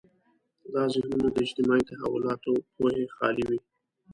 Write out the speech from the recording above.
دا ذهنونه د اجتماعي تحولاتو پوهې خالي وي.